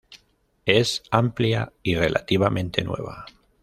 Es amplia y relativamente nueva.